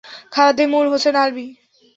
Khademul Hossain Alvi.